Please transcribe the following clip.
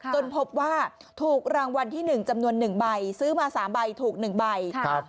พบว่าถูกรางวัลที่๑จำนวน๑ใบซื้อมา๓ใบถูก๑ใบ